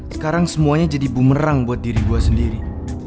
sekarang semuanya jadi bumerang buat diri gue sendiri